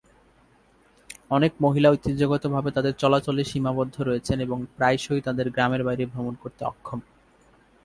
অনেক মহিলা ঐতিহ্যগতভাবে তাদের চলাচলে সীমাবদ্ধ রয়েছেন এবং প্রায়শই তাদের গ্রামের বাইরে ভ্রমণ করতে অক্ষম।